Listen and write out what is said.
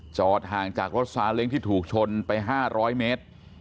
ห่างจากรถซาเล้งที่ถูกชนไป๕๐๐เมตร